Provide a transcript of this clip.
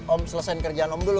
om selesain kerjaan om dulu ya